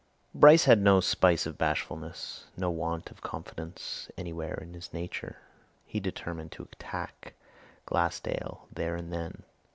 Bryce had no spice of bashfulness, no want of confidence anywhere in his nature; he determined to attack Glassdale there and then.